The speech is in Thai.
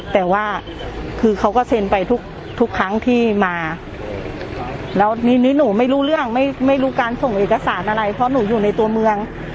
แต่ว่าคือเขาก็เซ็นไปทุกครั้งที่มาแล้วนี่หนูไม่รู้เรื่องไม่รู้การส่งเอกสารอะไรเพราะหนูอยู่ในตัวเมือง